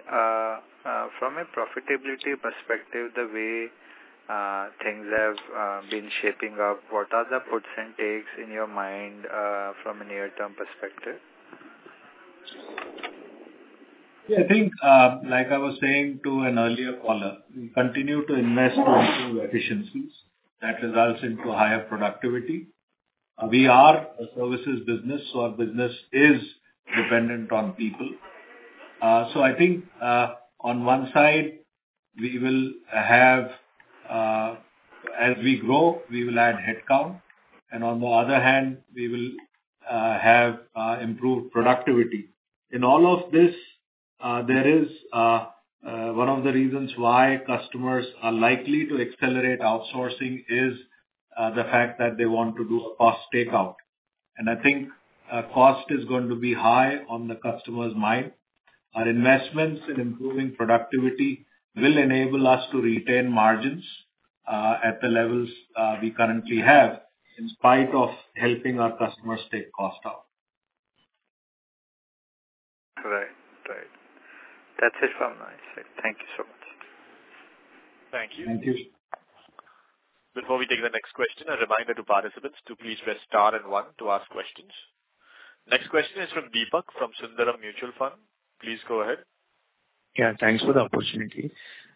[SPEAKER 12] from a profitability perspective, the way things have been shaping up. What are the puts and takes in your mind, from a near-term perspective?
[SPEAKER 3] I think, like I was saying to an earlier caller, we continue to invest in efficiencies that results into higher productivity. We are a services business, so our business is dependent on people. So I think, on one side, we will have, as we grow, we will add headcount, and on the other hand, we will have improved productivity. In all of this, there is one of the reasons why customers are likely to accelerate outsourcing is the fact that they want to do a cost takeout. And I think, cost is going to be high on the customer's mind. Our investments in improving productivity will enable us to retain margins at the levels we currently have, in spite of helping our customers take cost out.
[SPEAKER 12] Right. Right. That's it from my side. Thank you so much.
[SPEAKER 1] Thank you.
[SPEAKER 3] Thank you.
[SPEAKER 1] Before we take the next question, a reminder to participants to please press star and one to ask questions. Next question is from Deepak, from Sundaram Mutual Fund. Please go ahead.
[SPEAKER 7] Yeah, thanks for the opportunity.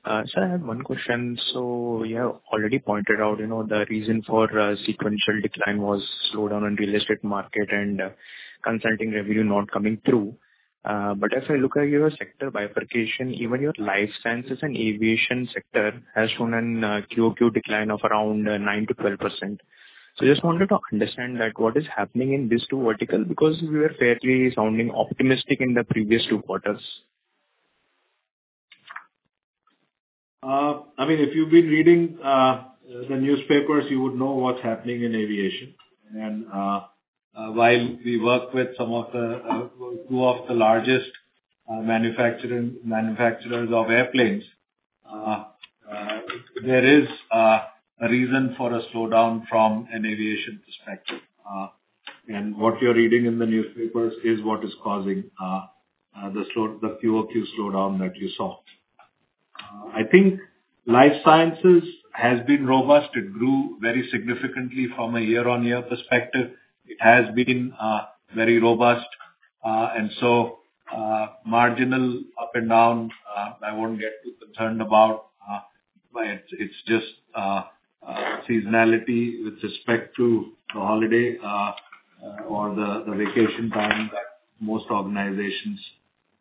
[SPEAKER 7] Sir, I have one question. So you have already pointed out, you know, the reason for sequential decline was slowdown in real estate market and consulting revenue not coming through. But as I look at your sector bifurcation, even your life sciences and aviation sector has shown a QOQ decline of around 9%-12%. So just wanted to understand, like, what is happening in these two vertical, because we were fairly sounding optimistic in the previous two quarters.
[SPEAKER 3] I mean, if you've been reading the newspapers, you would know what's happening in aviation, and while we work with some of the two of the largest manufacturers of airplanes, there is a reason for a slowdown from an aviation perspective, and what you're reading in the newspapers is what is causing the QOQ slowdown that you saw. I think life sciences has been robust. It grew very significantly from a year-on-year perspective. It has been very robust, and so marginal up and down I won't get too concerned about, but it's just seasonality with respect to the holiday or the vacation time that most organizations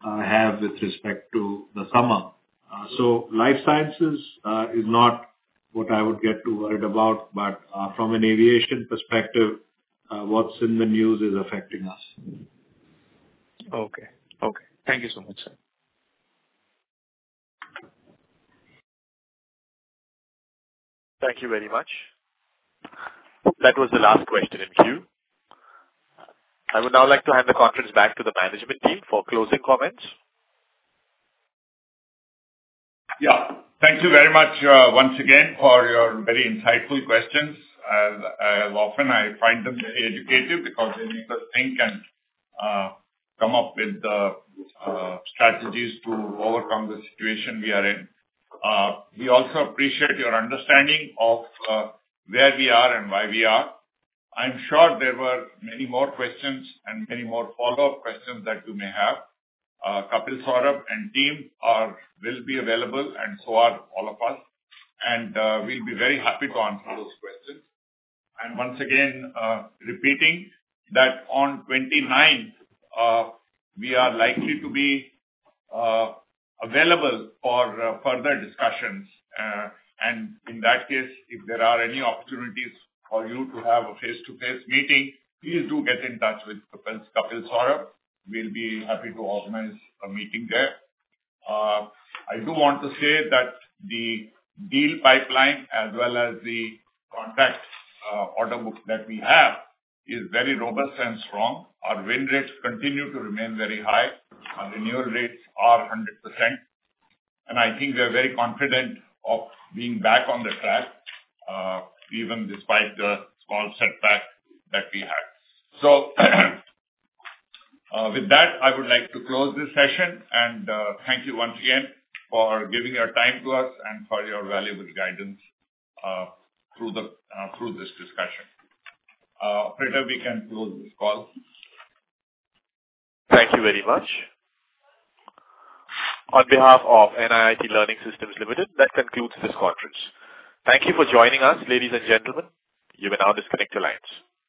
[SPEAKER 3] have with respect to the summer. So life sciences is not what I would get too worried about, but from an aviation perspective, what's in the news is affecting us.
[SPEAKER 7] Okay. Okay. Thank you so much, sir.
[SPEAKER 1] Thank you very much. That was the last question in queue. I would now like to hand the conference back to the management team for closing comments.
[SPEAKER 2] Yeah. Thank you very much, once again, for your very insightful questions. Often I find them very educative because they make us think and, come up with the, strategies to overcome the situation we are in. We also appreciate your understanding of, where we are and why we are. I'm sure there were many more questions and many more follow-up questions that you may have. Kapil Saurabh and team will be available, and so are all of us, and, we'll be very happy to answer those questions. And once again, repeating that on twenty-ninth, we are likely to be, available for, further discussions. And in that case, if there are any opportunities for you to have a face-to-face meeting, please do get in touch with Kapil, Kapil Saurabh. We'll be happy to organize a meeting there. I do want to say that the deal pipeline, as well as the contracts, order book that we have, is very robust and strong. Our win rates continue to remain very high. Our renewal rates are 100%, and I think we're very confident of being back on the track, even despite the small setback that we had. So, with that, I would like to close this session. And, thank you once again for giving your time to us and for your valuable guidance, through this discussion. Pritam, we can close this call.
[SPEAKER 1] Thank you very much. On behalf of NIIT Learning Systems Limited, that concludes this conference. Thank you for joining us, ladies and gentlemen. You may now disconnect your lines.